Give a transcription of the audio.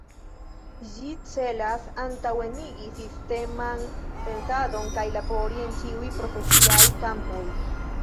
Ĝi celas antaŭenigi sisteman pensadon kaj labori en ĉiuj profesiaj kampoj.